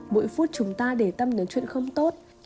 mỗi phút chúng ta để tâm đến chuyện không tốt